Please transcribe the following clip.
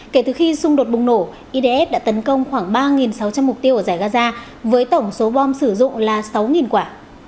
kể từ khi xung đột bùng nổ idf đã tấn công khoảng ba sáu trăm linh mục tiêu ở giải gaza với tổng số bom sử dụng là sáu quả